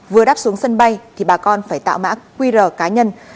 vừa đáp xuống sân bay thì bà con phải tạo mã qr cá nhân